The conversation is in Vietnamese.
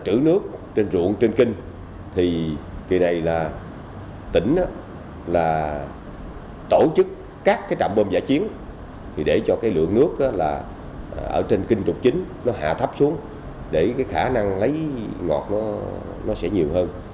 chữ nước trên ruộng trên kinh thì kỳ này là tỉnh tổ chức các trạm bơm giả chiến để cho lượng nước ở trên kinh trục chính nó hạ thấp xuống để khả năng lấy ngọt nó sẽ nhiều hơn